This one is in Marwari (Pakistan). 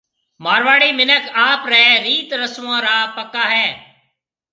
مارواڙي مِنک آپرَي ريِت رسمون را پڪا ھيَََ